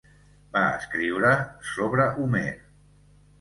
Va escriure sobre Homer.